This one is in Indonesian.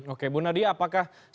oke bu nadia apakah